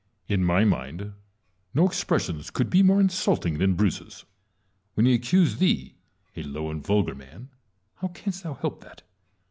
In my mind no expressions could be more insulting than Bruce's, when he accused thee, a low and vulgar man (how canst thou help that?)